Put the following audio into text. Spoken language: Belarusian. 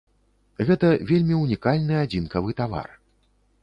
Гэта вельмі ўнікальны адзінкавы тавар.